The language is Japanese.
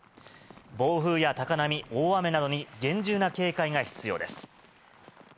暴風や高波、大雨などに厳重な警戒が必要です。